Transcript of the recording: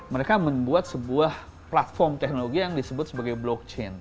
mereka membuat sebuah platform teknologi yang disebut sebagai blockchain